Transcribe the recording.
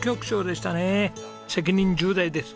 責任重大です。